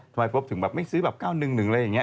ทำไมโป๊ปถึงแบบไม่ซื้อแบบ๙๑๑อะไรอย่างนี้